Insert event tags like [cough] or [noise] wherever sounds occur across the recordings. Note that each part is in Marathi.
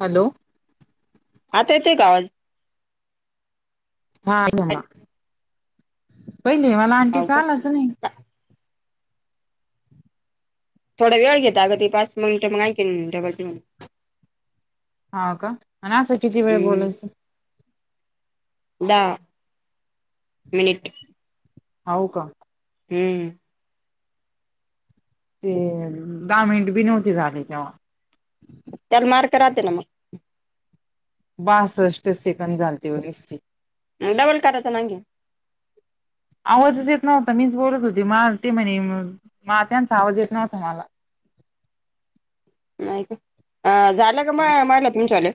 हॅलो आता येतोय काआवाज हा येऊन राहिला पहिले मला हाव आंटीचा का? आलाच नाही थोडा वेळ घेता अग ते पाच मिनिटं मग आणखीन डबल ते म्हणता हाव का असं किती वेळ हम्म बोलायचं दहा मिनिट हाव का ह ते अ दहा मिनिट बी नव्हते झाले तेव्हा रााहाते ना मग बासष्ट सेकंद झालते व निसते डबल करायचान मगआणखी आवाजच येत नव्हता, मीच बोलत होते मा ते म्हणे मा त्यांचा आवाज येत नव्हता मला, [unintelligible] नाही का अ झालया का म महीला तुमच्यावालया,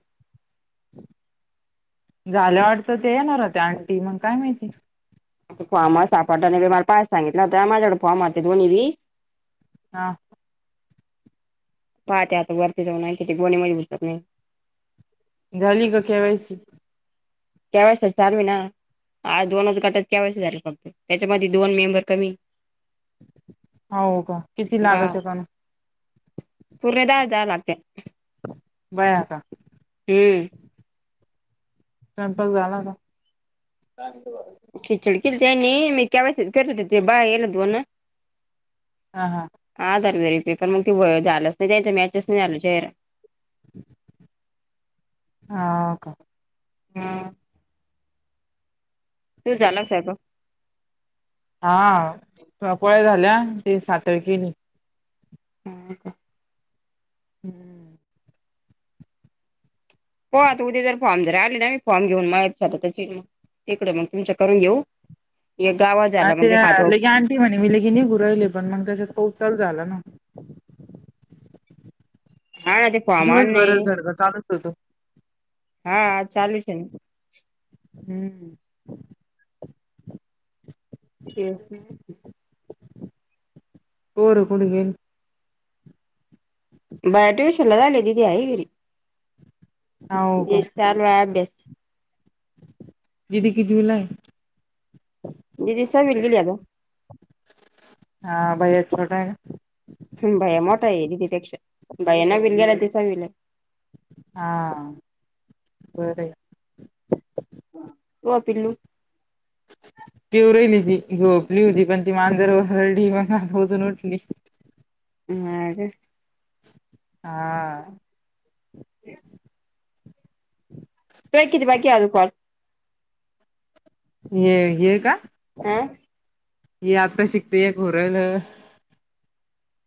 झाल्या वाटतं ते येणारते अंटी मग काय माहिती, आता फॉर्म हा सापडला नाही, मला पहिलाच सांगितलं माझ्याकडे फॉर्म होते दोन्ही बी, हां. पहा ते आता वरती जाऊन आहे, तिथे गोणी मजबूतात नाही. झाली का के वाय सी? चार विना आज दोनच गटात के वाय सी झाली फक्त त्याच्यामध्ये दोन मेंबर कमी. हो का किती गा लागत आहे पण? पूर्ण दहा हजार लागत्यात. भैय्या का? हम्म [unintelligible] झाला का [unintelligible] खिचडी केलती आणि मी के वाय सी च करत होती ते बाय एक दोन. हा झालं तरी ते पण मग ते झालंच नाही त्यांच्या मॅचच नाही झालं चेहरा. हो का. हा. तुझं झाला स्वयंपाक? हा प्रॉपर झाल्या ती सातळकीनी. होय का? हम्म. हो आत उद्या जरा. फॉर्म जरा आले नाही फॉर्म घेऊन [unintelligible] तिकडं तिकडं घेऊन तुमच्या करून घेऊ, एक गावात अ झाला ते मग खातो लगे आंटी म्हणे मी लगे निघून आले, पण मग तसंच पाऊस चालू झाला ना. [inaudible] हा ना ते फॉर्म आण दिवसभर झडगं चालूच होतं. हां हां चालूच ठेवीन. हं. तेच ना. पोरं कुठं गेली? बाळ ट्युशनला दीदी आहे घरी हो का दिदीचा चालू आहे अभ्यास. जुलै [unintelligible] [unintelligible] निधी सहावीला गेल्या का? हां भैय्या छोटा आहे. भैय्या मोठा आहे निधीपेक्षा भैय्या नववीत गेला आणि ती सहावीला. हां बरंय. ओ पिल्लू मी झोपली होती पण ती मांजर व हरडी हे ना आजून उठली. नाही ग हा. [inaudible] [unintelligible] ये ये का अम्म? ये आता शिकते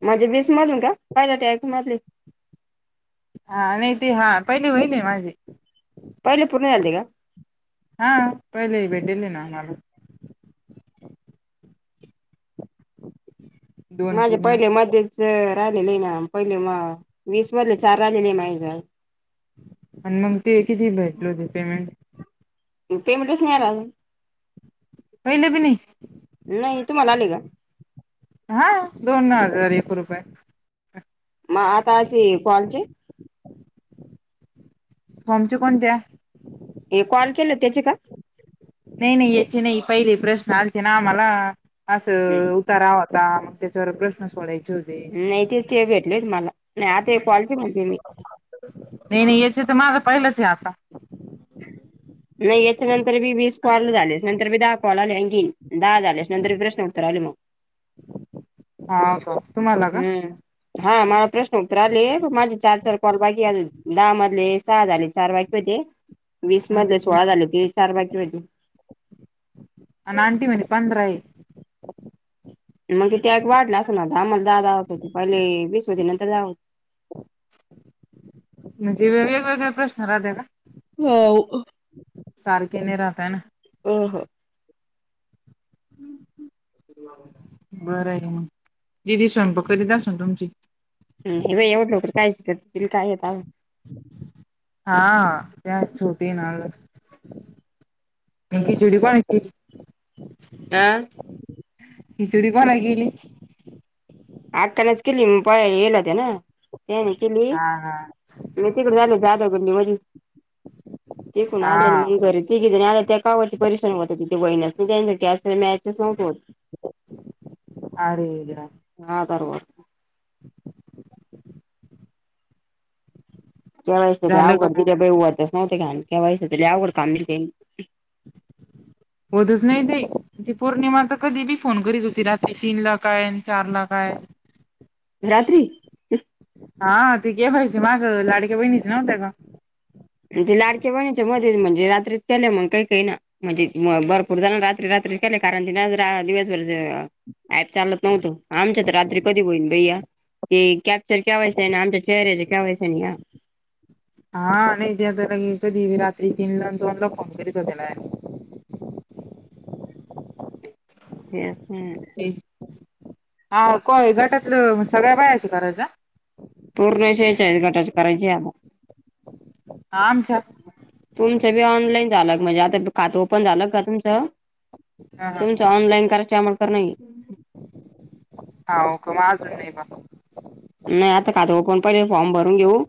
माझे वीस मधून का पहिल्या टेक मधली हां नाही ते हां पहिले होईने माझे पहिले पूर्ण झालते का? हां पहिले भेटले नानाला दोन माझे पूर्ण पहिले मध्येच राहिलेले ना पहिले म वीस मधले चार राहिलेल. आणि मग ते किती भेटले होते पेमेंट? पेमेंटच नाही आला हो पहिले बी नाही. नाही तुम्हाला आले का? हां दोन हजार एक रुपये. मग आताचे कॉलचे फॉर्मचे कोणत्या? हे कॉल केलं त्याचे का. नाही नाही याचे नाही पहिले प्रश्न आलते ना ना आम्हाला असं उतारावंत? मग त्याच्यावर प्रश्न सोडायचा नाही ते ते भेटले मला नाही आता हे कॉलट म्हणते मी [inaudible] नाही नाही याचे तर माझं पहिलंच हे आता. नाही याच्या नंतर मी वीस कॉल झालेस नंतर मी दहा कॉल आले आणखीन दहा झाल्यास नंतर प्रश्न उत्तर आले मग. हा. का. तुम्हाला का. हम्म. हा मला प्रश्न उत्तर आले. माझे चार चार कॉल बाकी दहामधले सहा झाले चार बाकी होते. वीस ह मधले सोळा झाले की चार बाकी होते. आणि आंटी म्हणे पंधरा आहे. मग ते एक वाढलं असेल आम्हाला दहा दहा होते हो पहिले वीस होते नंतर दहा होतें. [unintelligible] म्हणजे वेगळे वेगळे प्रश्न राहत्या का? हो सारखे के नाही राहता ह ना. हो हो. [unintelligible] बरं आहे मग दिदी स्वयंपाक करत असाल तुमची ह एवढं लवकर काय करती काय येत हा त्या छोटी ना. खिचडी कोना केली? खिचडी कोणा केली. अक्कालाच केली होती पोळ्या होत्या ना त्या नाही केली हा हा मी तिकडे झालले आजा गांधी मध्ये तिकुणआले हा मग घरी तिघीजणी आल्या होत्या. त्या कावरती परिश्रम होत तिे बणस नाही त्याच्यासाठी [unintelligible] मॅचेस नव्हते होतं अरे देवा हा आदरवर [unintelligible] केवायसी झालं का अवघड मग दिले काम होतंच नव्हते काम केवायसी अवघड काम दिले त्यानी [unintelligible] होतचं नाही ते पौर्णिमा तर कधी बी फोन करीत होती रात्री तीन ला काय चार काय हाय रात्री. हा केवायसी मागे लाडक्या बहिणीच नव्हत्या का. ते लाडके बहिणा मध्ये म्हणजे रात्रीत केल्या मग काही काही ना म्हणजे भरपूर जाण रात्री रात्री नाही कारण [inaudible] दिज दिवसभर ॲप चालत नव्हतं आमच्या तर रात्री कधी होईल बाई या. ते केॅप्चर केवायसी आमच्या चेहर च केवायसी नि या. हा ते लगे आणि ते आता ले कधी रात्री तीन लाआन दोन ला फॉम भरीत होत्याना. तेच. हा काय गटातलं सगळ्या बायाचं करायचं? पूर्ण गटाचे करायचे आम्हाला. हा आमच्या तुमचं बी ऑनलाईन झालं. म्हणजे आता खात ओपन झालं का तुमचं? हा तुमचं ऑनलाईन करायच्या [unintelligible] हाऊ का? माझं नाही बघ. नाही आता खातं ओपन पहिले फॉर्म भरून घेऊ.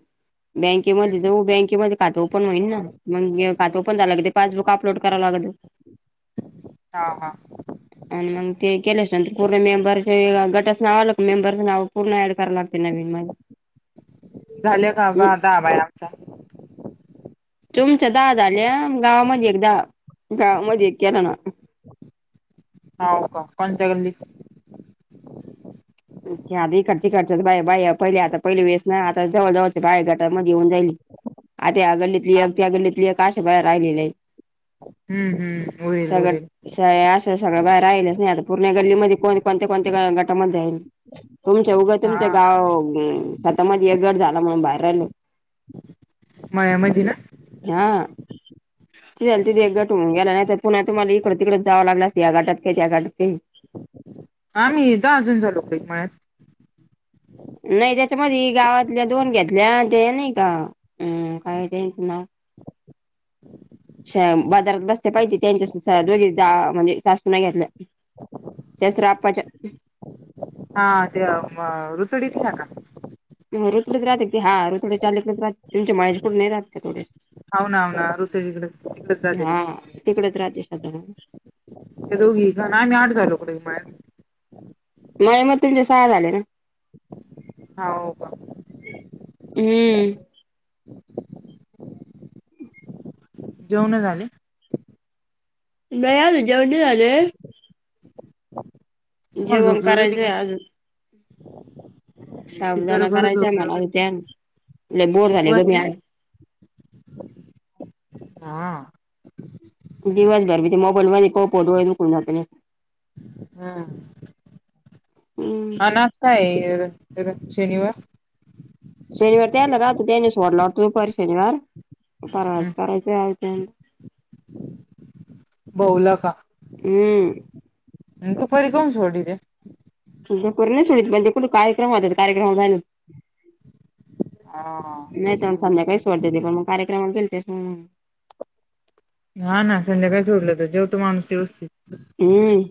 बँकेमध्ये जाऊ बँकेमध्ये खातंओपन होईन ना, मग खातं ओपन झालं का ते पासबुक अपलोड करावा लागेल. हा हा आणि मग ते के पूर्ण मेंबर गटाच नाव आलं, की ते मेबरच नाव पूर्ण ऍड कराव लागत. झाले का ग आता आबा आहे आमचा तुमच्या दहा झाल्या. आन गावामध्ये एक दहा. गावामध्ये एक केला ना. [inaudible] हव का, कोण च्या गल्ली? इड तिकडच्या बा बाया पहिले आता पहिल्या वेळेस ना नाही आता जवळ जवळच्या बाया गटामध्ये येऊन जायली. आता अ. या गल्लीतली एक, अ त्या गल्लीतली एक अशा बाया राहिलेल्या आहेत. हम्म हम्म उरेल सगट उरेल स [unintelligible] सगळं बाहेर आईल नाही आता पूर्ण गल्लीमध्ये कोण, कोणत्या- कोणत्या गटामध्ये आहेल. तुमच उगं हा तुमचं गाव स्वतःमध्ये एक गट झाला म्हणून बाहेर राहील. मा्या मज ना. हा. त तिे एक गट होऊून गेला नाही, तर पुन्हा तुम्हाला इकडे तिकडेच जावं लागणार या गाटात काही त्या गाटात काही, [inaudible] आम्ही दहा जण झालो झा लोक म्हळ्यात, नाही त्याच्यामध्येध गावातल्या दोन घेतल्या ते नाही का हम काय ते नाव, बाजारात बसते पाहिजे त्यांच्या, दोघी म्हणजे सासूना घेतलं जसरापच्या, हा ते रुतुडी त नका, म रोकडेच राहते ते हा रोकडडे चालेच राहते तुमचे माहेरी, पुड नाही राहातते थोडेच, हाव ना हाव ना रुतडीकडे तिकडेच जाते ती हा तिकडेच, राजेशन ते दोघी का? आम्ही आठ झालो इकडे मा माझ मते तुमच्या सह्या झाल्या ना, हाव का हम्म. जेवण झाली? नाही आलं, जेवण नाही झालंय तुम्हाला जेवण झोप येऊ राहिली करायचंय काय अजून. ती साबदाना खरं खरं करायचा झोप येऊ राहिली म्हण लय बोर. झाले उपवास ग आहे आज. [inaudible] हा दिवसभर ते. मोबाईल [unintelligible] हा, हम्म. अनाज काय आहे? शनिवार, शनिवार त्यायला राहतो, त्याने सोडलातोपारी शनिवार, [unintelligible] हम्म. बऊला का? हम, तूपरी कोण सोडी तेे, तु नाही म्हणजे कुठ कार्यक्रम होत कार्यक्रम, हा नाही तरण संध्याकाळी सोडतीत, पण मग कार्यक्रमन तेस, [inaudible] हा ना, संध्याकाय सोडलं तर जेवतो माणूसवस्थित, हम्म,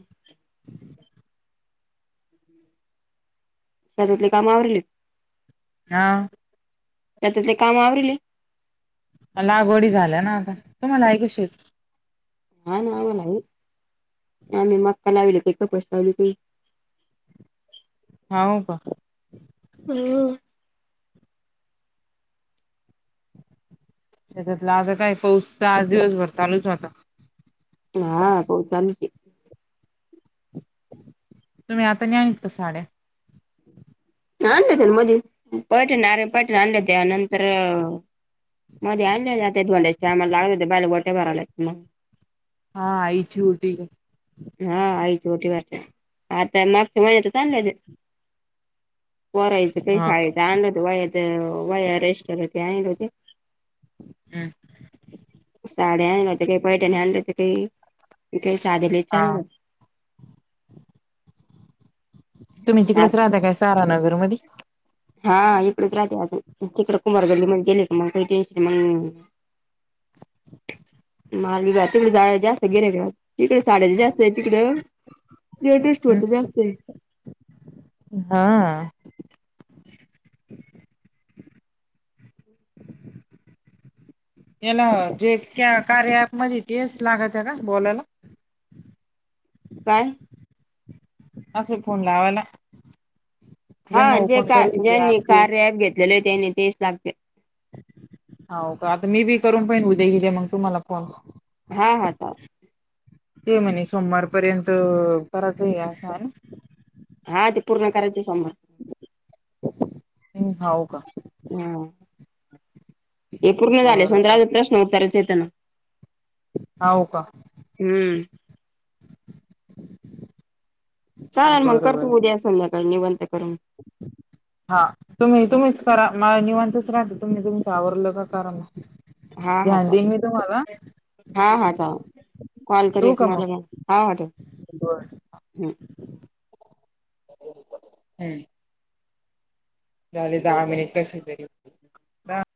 शतातले काम आवरी का? हा, शेतात ली, काम आवरले मला लागवडी झाल्या ना आता, तुमला आहे का शेती? हा ना आम्हाला आहे, आम्ही मक्का लावले, काही कपस लावली काही, [unintelligible] हो का, ह, त्याच्यातलं आता काय पाऊसचा, आज दिवसभर चालूच होता. हा पाउस झाला कि, [unintelligible] तुम्ही आताण्या हा इथं न् साड्या, आणलं ते मध्ये पटण आरे, पटण आणलं त्यानंतर, मध्ये आणले धोड्याच्या टीमला, लाव हो बायला बोट्या भरावला, हा आईची उटी, उटी भरताना, आता मागच्या महिन्यात चा आणल्या, कोरायच तेन हा शाळेचं हम्म आणल, वय अरेस्टरलं ते आहे नव ते, हम्म, साडी्या आणल्या तर काही, पैठणी आणलं तर काही काही साधलेच हा आणलं, तुम्ही होत्या. तिकडेच राहता काय सारानगर मध हा इकडेच राहते आ तिकडे कुमार गल्ली म गेले मग मग [unintelligible] मार्गी तिकडे झाड्या जास्त गेण्या तिकडे साड्याच जास्त आहे तिकडं जस् हं. होट जास्त हा याला जे कार्या अँप मध्ये [inaudible] लागत आहे का बोलायला काय अजून फोन लावायला, ज्यांना हा जे ओपन का करेल ते ज्यांनी ऍप ते. कार्या ॲप, घेतलेले आहे त्यांनी तेच लागते. हा का आता मी बी करून पहिन, उद्या हिथे मग तुम्हाला कॉल, हा हा, ते म्हणे सोमवार पर्यंत कराच सर, हा ते पूर्ण करायचे स, हऊ का, ह हे पूर्ण झाले बरोबर संत प्रश्न उत्तराच येत ना, होव का, हम्म चाल मग कर बरोबर तू उद्या संध्याकाळी निवंत, हा तुम्ही तुम्हीच करा, मला निवांतच राहल, तुमच् आवरल की करा हा हा ध्यान हा देईन मी तुम्हाला हा हा चालेल कॉल करी ठेवू का मला मग हा वाट बर. हम हम्म झाले दहा मिनिट कसे तरी